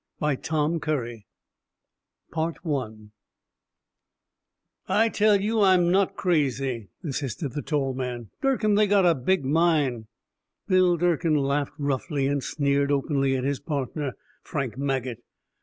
] "I tell you I'm not crazy," insisted the tall man. "Durkin, they got a big mine." Bill Durkin laughed roughly, and sneered openly at his partner, Frank Maget.